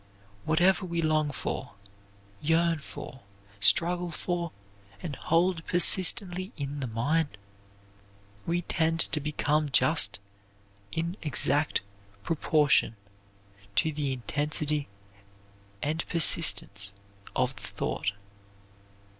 Whatever we long for, yearn for, struggle for, and hold persistently in the mind, we tend to become just in exact proportion to the intensity and persistence of the thought.